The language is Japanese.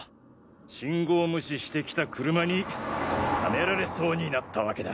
信号無視してきた車にはねられそうになったわけだ。